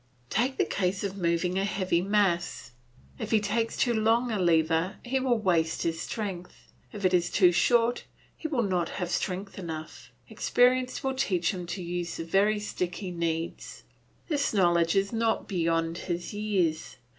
Take the case of moving a heavy mass; if he takes too long a lever, he will waste his strength; if it is too short, he will not have strength enough; experience will teach him to use the very stick he needs. This knowledge is not beyond his years.